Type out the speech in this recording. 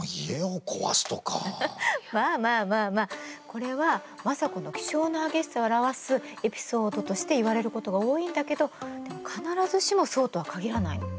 これは政子の気性の激しさを表すエピソードとして言われることが多いんだけどでも必ずしもそうとは限らないの。